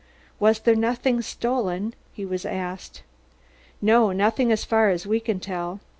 "Was there nothing stolen?" he was asked. "No, nothing as far as we can tell yet.